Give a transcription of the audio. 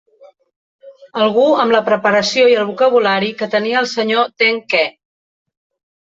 Algú amb la preparació i el vocabulari que tenia el senyor Ten que.